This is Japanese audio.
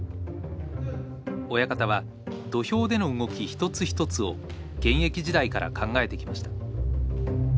親方は土俵での動き一つ一つを現役時代から考えてきました。